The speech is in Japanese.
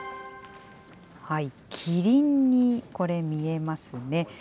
キリンにこれ、見えますね。